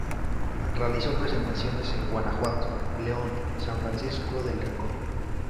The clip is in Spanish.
Realizó presentaciones en Guanajuato, León, San Francisco del Rincón.